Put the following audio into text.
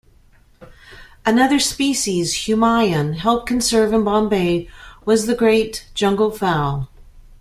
Another species Humayun helped conserve in Bombay was the grey junglefowl.